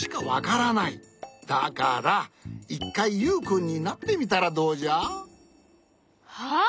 だから１かいユウくんになってみたらどうじゃ？は？